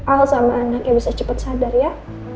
al sama anaknya bisa cepat sadar ya